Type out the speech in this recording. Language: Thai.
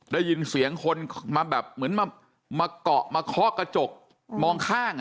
ได้ยินเสียงคนมาแบบเหมือนมาเกาะมาเคาะกระจกมองข้าง